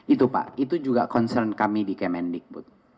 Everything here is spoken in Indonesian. itu pak itu juga concern kami di kemendikbud